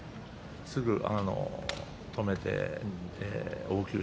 すぐ止めてね。